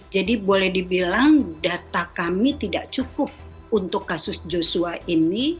jadi boleh dibilang data kami tidak cukup untuk kasus joshua ini